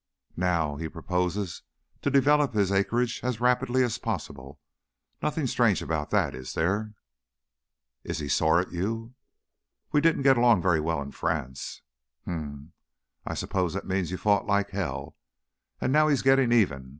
"Now, he proposes to develop his acreage as rapidly as possible. Nothing strange about that, is there?" "Is he sore at you?" "We didn't get along very well in France." "Humph! I suppose that means you fought like hell. And now he's getting even.